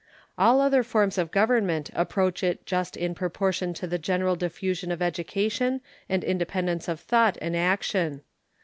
All other forms of government approach it just in proportion to the general diffusion of education and independence of thought and action.